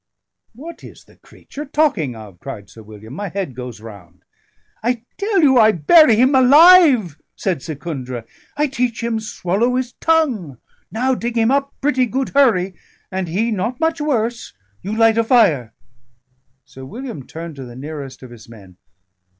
"What is the creature talking of?" cried Sir William. "My head goes round." "I tell you I bury him alive," said Secundra. "I teach him swallow his tongue. Now dig him up pretty good hurry, and he not much worse. You light a fire." Sir William turned to the nearest of his men.